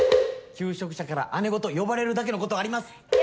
求職者から姉御と呼ばれるだけのことあります。